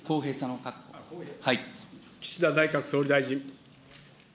岸田内閣総理大臣。